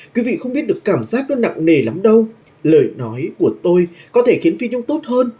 quý vị không biết được cảm giác nó nặng nề lắm đâu lời nói của tôi có thể khiến phi thông tốt hơn